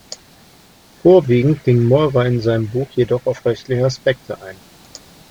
Vorwiegend ging Meurer in seinem Buch jedoch auf rechtliche Aspekte ein.